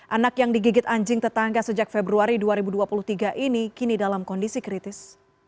anak yang digigit anjing tetangga sejak februari dua ribu dua puluh tiga ini kini dalam kondisi kritis